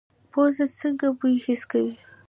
پوزه څنګه بوی حس کوي؟